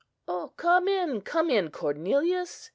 ——Come in! come in, Cornelius!"